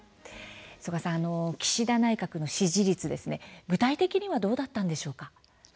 曽我さん、岸田内閣の支持率具体的にはどうだったのでしょうか？